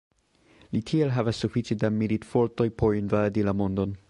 Li tiel havis sufiĉe da militfortoj por invadi la mondon.